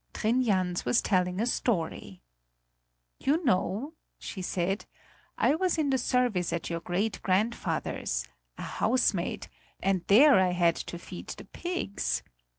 Trin Jans was telling a story: "You know," she said, "I was in the service at your great grandfather's, as housemaid, and there I had to feed the pigs.